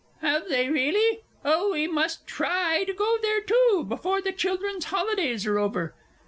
Have they really! Oh, we must try and go there, too, before the children's holidays are over.